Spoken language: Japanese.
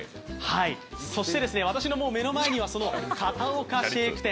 そして、私の目の前にはその片岡シェーク店。